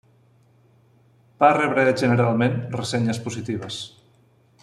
Va rebre generalment ressenyes positives.